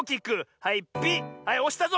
はいおしたぞ！